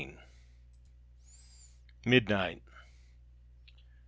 MIDNIGHT!